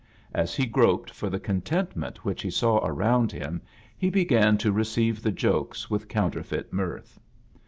As he groped for the con tentment which he saw around him he be gan to receive the jokes with counterfeit mirth.